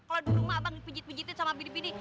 kalau di rumah bang dipijit pijitin sama pini pini